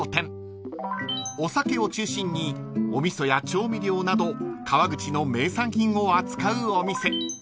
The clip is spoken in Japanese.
［お酒を中心にお味噌や調味料など川口の名産品を扱うお店］